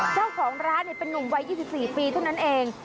เจ้าของร้านเป็นนุ่มวัย๒๔ปีเท่านั้นเอง